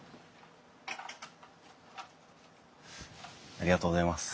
ありがとうございます。